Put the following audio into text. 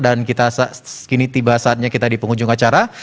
dan kita kini tiba saatnya kita di penghujung acara